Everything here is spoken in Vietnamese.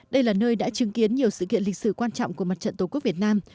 đây là nơi đã chứng kiến nhiều sự kiện lịch sử quan trọng của mặt trận tổ quốc việt nam